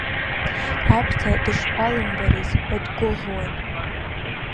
Аԥҭа дышԥалымбарыз ҳәа дгәыӷуан.